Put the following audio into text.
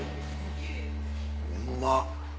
うまっ。